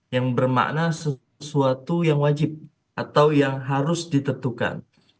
yang bermakna sesuatu yang wajib atau yang harus ditentukan